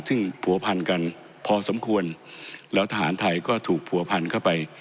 ซึ่งผัวพันกันพอสมควรแล้วทหารไทยก็ถูกผัวพันเข้าไป